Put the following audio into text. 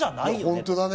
本当だね。